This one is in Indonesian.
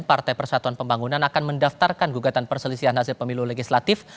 partai persatuan pembangunan akan mendaftarkan gugatan perselisihan hasil pemilu legislatif